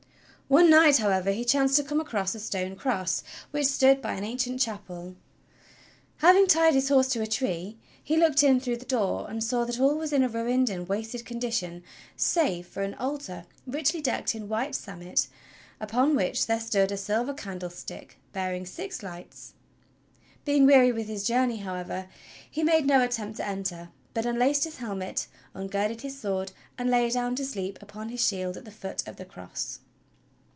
One night, however, he chanced to come across a stone cross which stood by an ancient chapel. Having tied his horse to a tree, he looked in through the door and saw that all was in a ruined and wasted condition save for an altar richly decked in white samite upon which there stood a silver candlestick bearing six lights. Being weary with his journey, however, he made no attempt to enter, but unlaced his helmet, ungirded his sword, and lay down to sleep upon his shield at the foot of the cross.